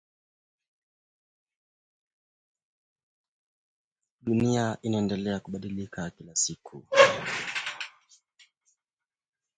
"Innocent blood" reddened the streets of Jerusalem.